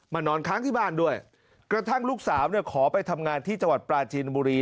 นอนค้างที่บ้านด้วยกระทั่งลูกสาวเนี่ยขอไปทำงานที่จังหวัดปลาจีนบุรี